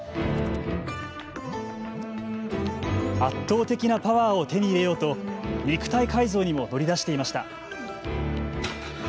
圧倒的なパワーを手に入れようと肉体改造にも乗り出していました。